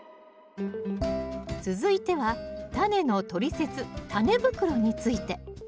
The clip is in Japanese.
続いてはタネの取説タネ袋について。